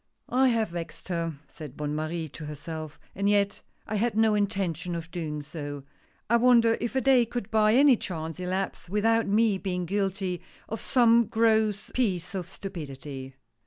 "I have vexed her," said Bonne Marie to herself — and yet I had no intention of doing so — I wonder if a day could by any chance elapse, without my being guilty of some gross piece of stupidity